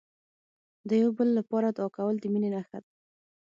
د یو بل لپاره دعا کول، د مینې نښه ده.